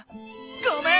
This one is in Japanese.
ごめん！